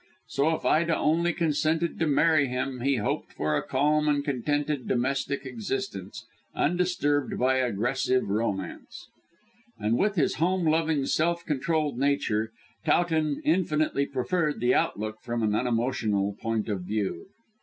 So if Ida only consented to marry him he hoped for a calm and contented domestic existence, undisturbed by aggressive romance. And with his home loving, self controlled nature, Towton infinitely preferred the outlook from an unemotional point of view.